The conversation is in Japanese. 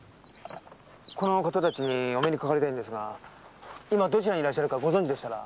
この方たちにお目にかかりたいんですが今どちらにいらっしゃるかご存じでしたら。